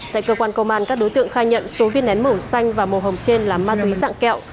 tại cơ quan công an các đối tượng khai nhận số viên nén màu xanh và màu hồng trên là ma túy dạng kẹo